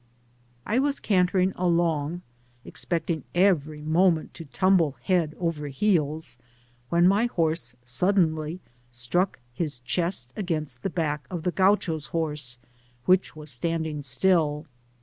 I was can tering along, expecting every moment to tumble head over heels, when my horse suddenly struck his chest against the back of the Gaucho^s horse, which was standing still.